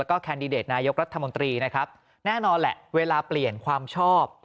แล้วก็แคนดิเดตนายกรัฐมนตรีนะครับแน่นอนแหละเวลาเปลี่ยนความชอบ